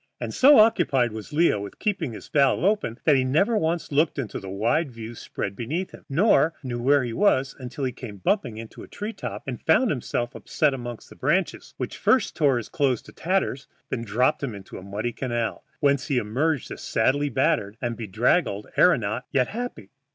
And so occupied was Leo with keeping this valve open that he never once looked at the wide view spread beneath him, nor knew where he was until he came bumping into a treetop, and found himself upset among the branches, which first tore his clothes to tatters and then dropped him into a muddy canal, whence he emerged a sadly battered and bedraggled aëronaut, yet happy.